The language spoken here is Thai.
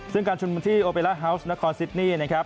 ซึ่งการชุมนุมที่โอเปล่าฮาวส์นครซิดนี่นะครับ